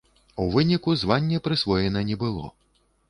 У выніку званне прысвоена не было.